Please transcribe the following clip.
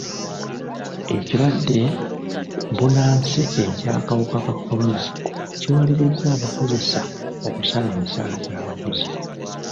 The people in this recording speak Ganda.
Ekirwadde bbunansi eky'akawuka ka kolona kiwalirizza abakozesa okusala emisaala gy'abakozi.